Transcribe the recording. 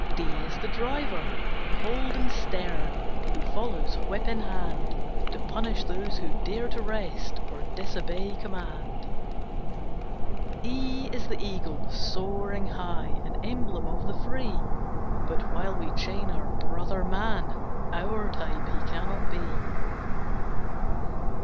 D D is the Driver, cold and stern, Who follows, whip in hand, To punish those who dare to rest, Or disobey command. E E is the Eagle, soaring high; An emblem of the free; But while we chain our brother man, Our type he cannot be.